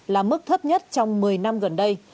là mức thấp nhất trong một mươi năm gần đây